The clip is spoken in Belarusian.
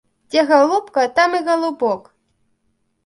Дзе галубка, там і галубок!